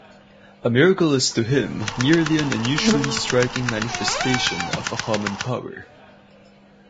A miracle is to him merely an unusually striking manifestation of a common power.